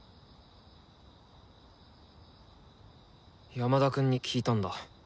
山田くんに聞いたんだ。